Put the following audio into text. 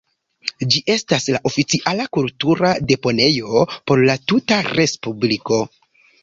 Ĝi estas la oficiala kultura deponejo por la tuta respubliko.